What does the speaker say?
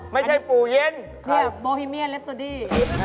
ไม่ใช่ปู่เย็นใช่นี่โบฮิเมียนเรฟซอดี้